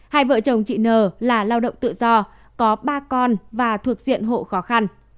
hai vợ chồng chị n là lao động tự do có ba con và thuộc diện hộ khó khăn